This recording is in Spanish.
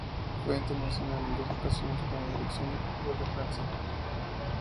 Fue internacional en dos ocasiones con la selección de fútbol de Francia.